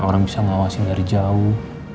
orang bisa ngawasin dari jauh